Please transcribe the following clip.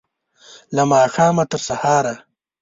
له ماښامه، تر سهاره